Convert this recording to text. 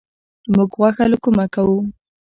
موږ غوښه له کومه کوو؟